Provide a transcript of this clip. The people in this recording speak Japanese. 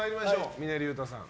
峰竜太さん。